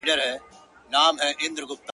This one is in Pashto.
نور په ما مه کوه هوس راپسې وبه ژاړې~